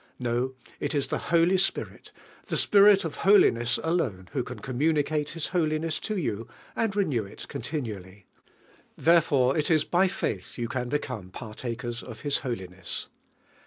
No, it is the Holy Spir it, this Spirit of holiness alone who ran communicate His holiness to yon and re new it continually. Therefore it is by faith yon can become "partakers of His holiness."